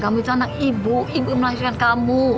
kamu itu anak ibu ibu melahirkan kamu